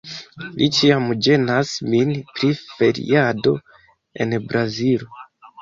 Li ĉiam ĝenas min pri feriado en Brazilo